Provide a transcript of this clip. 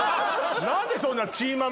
何でそんな。